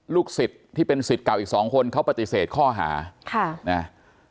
ลูกศิษย์ที่เป็นศิษย์เก่าอีกสองคนเขาปฏิเสธข้อหาค่ะนะฮะ